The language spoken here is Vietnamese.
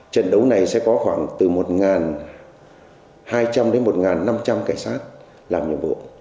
trận đấu này sẽ có khoảng từ một hai trăm linh đến một năm trăm linh cảnh sát làm nhiệm vụ